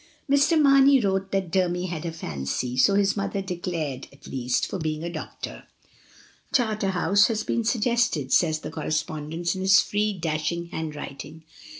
Mr. Marney wrote that Dermy had a fancy, so his mother declared at least, for being a doctor. A WELCOME. 263 "Charterhouse had been suggested," says the cor respondent, in his free, dashing handwriting.